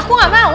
aku gak mau